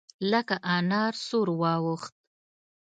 لکه انار سور واوښت.